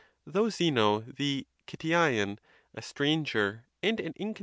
Though Zeno the Cittizean, a stranger and an incon.